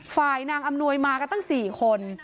นางอำนวยมากันตั้ง๔คน